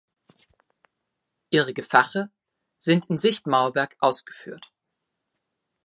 Ihre Gefache sind in Sichtmauerwerk ausgeführt.